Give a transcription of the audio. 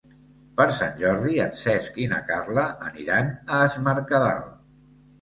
Per Sant Jordi en Cesc i na Carla aniran a Es Mercadal.